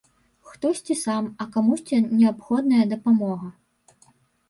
Хтосьці сам, а камусьці неабходная дапамога.